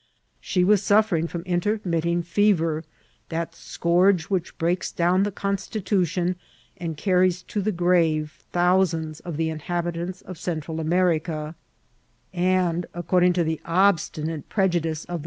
She was suffering from intermitting fever, that scourge which breaks down the constitution and carries to the grave thousands of the inhabitants of Central America ; and, according to the obstinate prejudice of 844 INCIDBMTS or TKATEL.